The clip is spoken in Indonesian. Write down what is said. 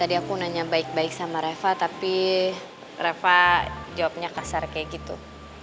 tadi aku nanya baik baik sama reva tapi reva jawabnya kasar kayak gitu